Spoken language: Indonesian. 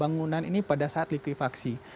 bangunan ini pada saat likuifaksi